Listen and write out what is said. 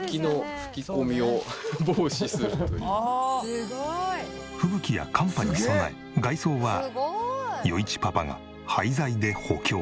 吹雪や寒波に備え外装は余一パパが廃材で補強。